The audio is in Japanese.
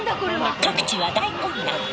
各地は大混乱。